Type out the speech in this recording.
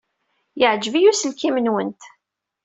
Yeɛjeb-iyi uselkim-nwent.